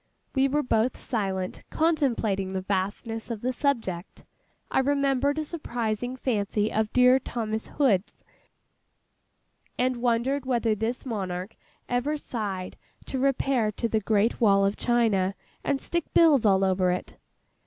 We were both silent, contemplating the vastness of the subject. I remembered a surprising fancy of dear THOMAS HOOD'S, and wondered whether this monarch ever sighed to repair to the great wall of China, and stick bills all over it.